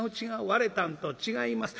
『割れたんと違う。